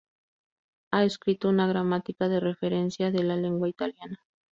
Ha escrito una gramática de referencia de la lengua italiana.